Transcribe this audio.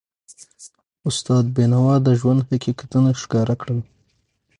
استاد بینوا د ژوند حقیقتونه ښکاره کړل.